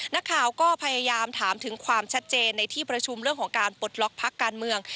นักข่าวก็พยายามถามถึงความชัดเจนในที่ประชุมเรื่องของการปลดล็อกพักการเมือง